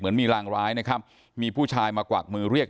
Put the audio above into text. มีรางร้ายนะครับมีผู้ชายมากวักมือเรียก